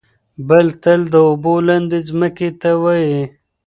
بل تل د اوبو لاندې ځمکې ته وايي.